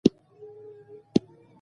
ماشومان د تشویق له لارې ښه زده کړه کوي